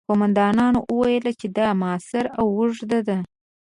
قوماندانانو وويل چې دا محاصره اوږده ده.